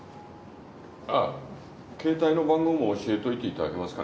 ああ携帯の番号も教えといていただけますかね。